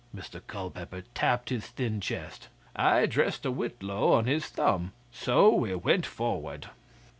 Mr Culpeper tapped his thin chest. 'I dressed a whitlow on his thumb. So we went forward.